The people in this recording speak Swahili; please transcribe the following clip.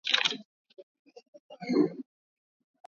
kupanda gharama za mafuta ni changamoto ya tanzania na